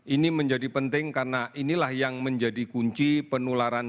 ini menjadi penting karena inilah yang menjadi kunci penularan